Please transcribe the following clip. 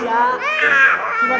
sudah divaksin kemarin